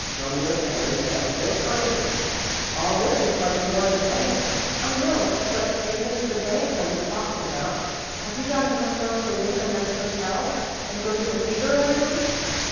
Romeo tendered the handful of currency. "All this, and plenty more in the bank." "I know, but it was the bank I was talking about. Have you got enough for us to live at a nice hotel and go to the theatre every night?"